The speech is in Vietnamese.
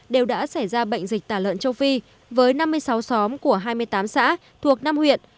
đều đã xảy ra bệnh dịch tả lợn châu phi với năm mươi sáu xóm của hai mươi tám xã thuộc năm huyện